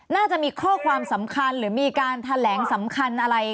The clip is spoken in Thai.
น่าจะมีข้อความสำคัญหรือมีการแถลงสำคัญอะไร